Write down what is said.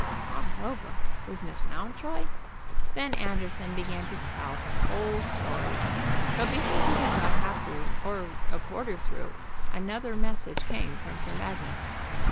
"All over with Miss Mountjoy?" Then Anderson began to tell the whole story; but before he had got half through, or a quarter through, another message came from Sir Magnus.